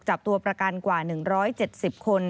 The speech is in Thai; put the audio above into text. จับตัวประกันกว่า๑๗๐คน